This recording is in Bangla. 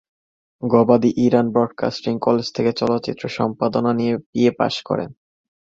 গবাদি ইরান ব্রডকাস্টিং কলেজ থেকে চলচ্চিত্র সম্পাদনা নিয়ে বিএ পাশ করেন।